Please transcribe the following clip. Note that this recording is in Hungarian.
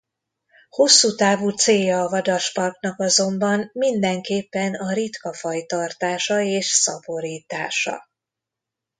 Hosszú távú célja a vadasparknak azonban mindenképpen a ritka faj tartása és szaporítása.